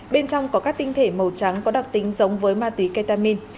bên trong có các tinh thể màu trắng có đặc tính giống với ma túy ketamin